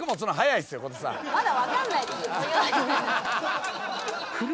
まだ分かんないでしょ。